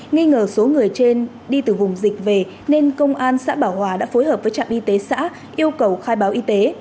nghi ngờ số người trên đi từ vùng dịch về nên công an xã bảo hòa đã phối hợp với trạm y tế xã yêu cầu khai báo y tế